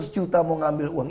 seratus juta mau ngambil uang